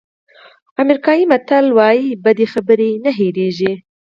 افریقایي متل وایي بدې خبرې نه هېرېږي.